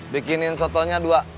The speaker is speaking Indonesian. bikinin sotonya dua